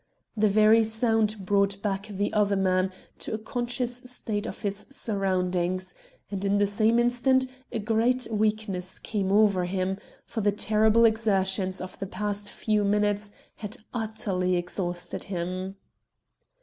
The very sound brought back the other man to a conscious state of his surroundings, and in the same instant a great weakness came over him, for the terrible exertions of the past few minutes had utterly exhausted him.